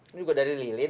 ini juga dari lilin